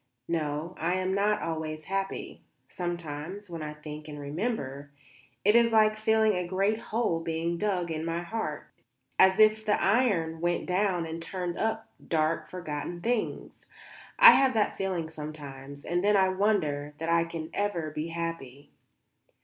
No, I am not always happy. Sometimes, when I think and remember, it is like feeling a great hole being dug in my heart as if the iron went down and turned up dark forgotten things. I have that feeling sometimes; and then I wonder that I can ever be happy."